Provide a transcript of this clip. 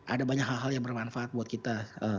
ada banyak hal hal yang bermanfaat buat kita